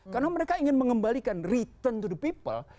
karena mereka ingin mengembalikan return to the people